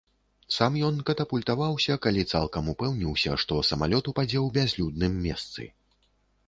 Сам ён катапультаваўся, калі цалкам упэўніўся, што самалёт упадзе ў бязлюдным месцы.